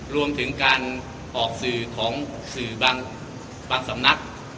รวมถึงการออกสื่อของสื่อบางสำนัก